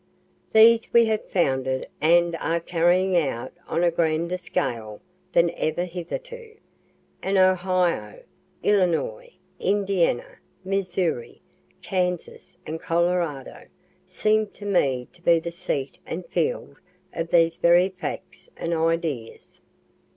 These we have founded and are carrying out on a grander scale than ever hitherto, and Ohio, Illinois, Indiana, Missouri, Kansas and Colorado, seem to me to be the seat and field of these very facts and ideas.